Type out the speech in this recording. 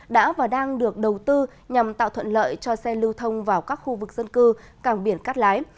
đã và đang được đầu tư nhằm tạo thuận lợi cho xe lưu thông vào các khu vực dân cư cảng biển cát lái